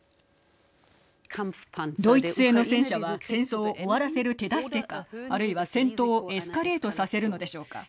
ドイツ製の戦車は戦争を終わらせる手助けかあるいは戦闘をエスカレートさせるのでしょうか。